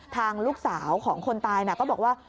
ทางลูกสาวของคนตายก็บอกว่า